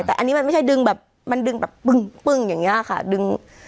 แต่อันนี้มันไม่ใช่ดึงแบบมันดึงแบบปึ้งปึ้งอย่างนี้ค่ะดึง